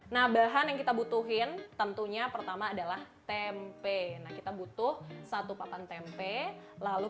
nah bahan yang kita butuhin tentunya pertama adalah tempe nah kita butuh satu papan tempe lalu